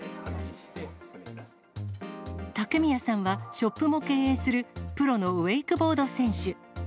竹宮さんはショップも経営するプロのウェイクボード選手。